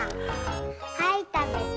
はいたべて。